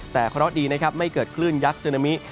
แต่เคราะห์ดีนะครับไม่เกิดคลื่นยักษ์ซึนามิ